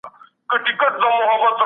سمدستي سوله مېړه ته